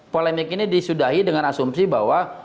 polemik ini disudahi dengan asumsi bahwa